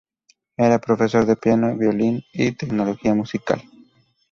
Era profesor de piano, violín y tecnología musical.